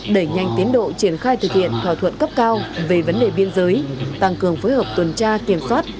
đẩy nhanh tiến độ triển khai thực hiện thỏa thuận cấp cao về vấn đề biên giới tăng cường phối hợp tuần tra kiểm soát